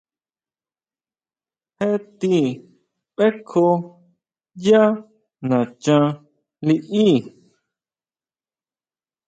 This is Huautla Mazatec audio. Jé ti bʼekjoo yá nachán liʼí.